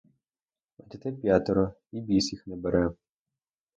А дітей п'ятеро, і біс їх не бере.